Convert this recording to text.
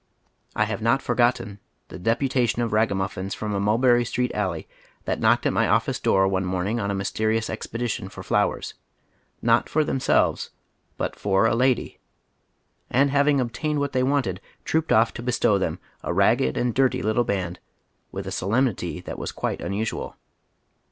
I have not forgotten the deputation of I'aga mnfflns from a Mulberry Street alley that knocked at my ofiice door one mocning on a mysterious expedition for flowers, not for themselves, but for "a lady," and having obtained what they wanted, trooped off to bestow them, a ragged and dirty little band, with a solemnity that was quite unnsuai.